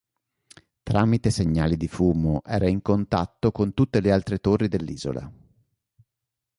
Tramite segnali di fumo era in contatto con tutte le altre torri dell'isola.